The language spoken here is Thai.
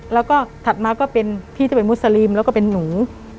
แล้วก็ถัดมาก็เป็นพี่ที่เป็นมุสลิมแล้วก็เป็นหนู